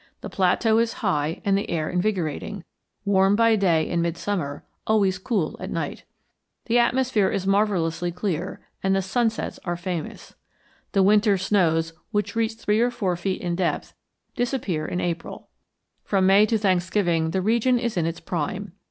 The plateau is high and the air invigorating, warm by day in midsummer, always cool at night. The atmosphere is marvellously clear, and the sunsets are famous. The winter snows, which reach three or four feet in depth, disappear in April. From May to Thanksgiving the region is in its prime.